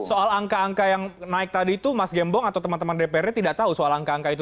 soal angka angka yang naik tadi itu mas gembong atau teman teman dprd tidak tahu soal angka angka itu